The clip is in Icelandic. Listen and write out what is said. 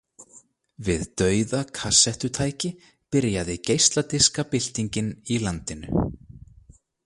Við dauða kassettutæki byrjaði geisladiskabyltingin í landinu.